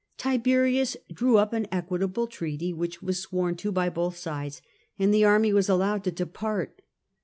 Tiberius drew up an equitable treaty, which was sworn to by both sides, and the army was allowed to depart.